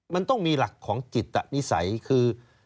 มันต้องมีหลักของจิตนิสัยคือ